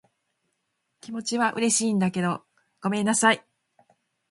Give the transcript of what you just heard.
気持ちは嬉しいんだけど、ごめんなさい。